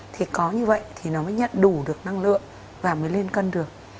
thì có như vậy thì nó mới nhận đủ được năng lượng và mới lên cân được